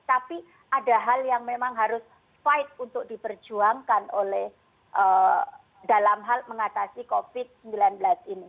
tapi ada hal yang memang harus fight untuk diperjuangkan oleh dalam hal mengatasi covid sembilan belas ini